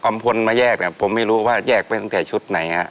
พลมาแยกผมไม่รู้ว่าแยกไปตั้งแต่ชุดไหนฮะ